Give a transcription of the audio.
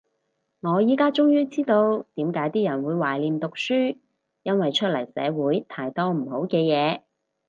我依家終於知道點解啲人會懷念讀書，因為出嚟社會太多唔好嘅嘢